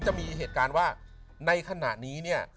จะมีเหตุการณ์ว่าในขณะนี้เนี่ย